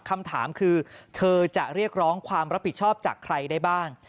คำถามคือเธอจะเรียกร้องความรับผิดชอบจากใครได้บ้าง